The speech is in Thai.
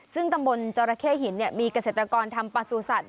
ซึ่งจังมนต์จอระเข้หินมีเกษตรกรทำปัสสุสัตว์